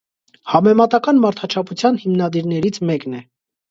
Համեմատական մարդաչափության հիմնադիրներից մեկն է։